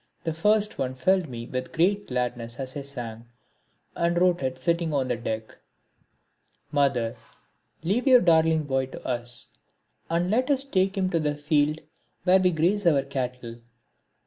The first one filled me with a great gladness as I sang, and wrote it sitting on the deck: Mother, leave your darling boy to us, And let us take him to the field where we graze our cattle.